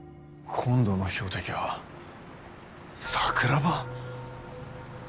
今度の標的は桜庭？